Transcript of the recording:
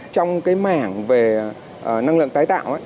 trong cái mảng về năng lượng tái tạo